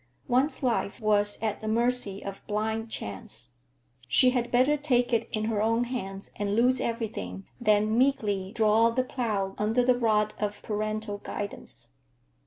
One's life was at the mercy of blind chance. She had better take it in her own hands and lose everything than meekly draw the plough under the rod of parental guidance.